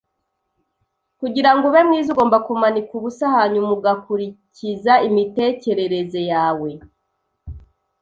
Kugirango ube mwiza, ugomba kumanika ubusa hanyuma ugakurikiza imitekerereze yawe.